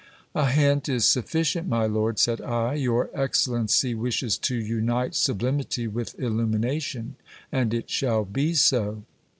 A hint is sufficient, my lord, said I ; your excellency wishes to unite sublimity with illumination, and it shall be so.